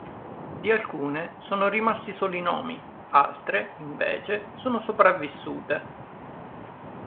Di alcune sono rimasti solo i nomi; altre, invece, sono sopravvissute.